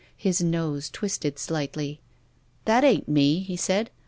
His nose twisted slightly. "' That ain't me,' he said.